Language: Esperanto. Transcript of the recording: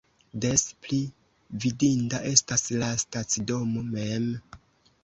Des pli vidinda estas la stacidomo mem.